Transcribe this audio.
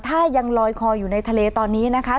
ถ้ายังลอยคออยู่ในทะเลตอนนี้นะคะ